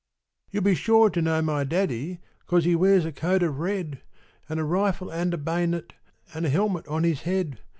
_) You'll be sure to know my daddy, 'Cause he wears a coat of red. An' a rifle, an' a bay'net, An' a helmet on his head.